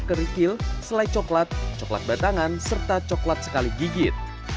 di antaranya ada coklat kerikil selai coklat coklat batangan serta coklat sekali gigit